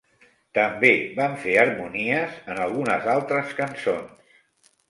També van fer harmonies en algunes altres cançons.